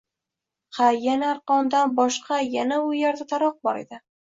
Ha yana arqondan boshqa yana u yerda taroq bor edi.